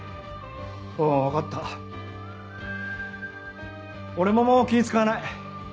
おう分かった俺ももう気使わない。